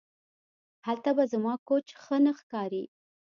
هلته به زما کوچ ښه نه ښکاري